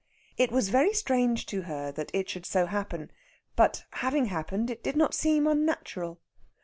It was very strange to her that it should so happen, but, having happened, it did not seem unnatural.